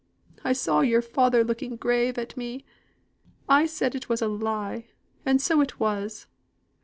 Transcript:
I saw your father looking grave at me. I said it was a lie, and so it was.